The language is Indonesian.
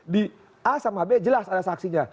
di a sama b jelas ada saksinya